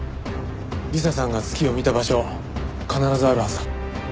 理彩さんが月を見た場所必ずあるはずだ。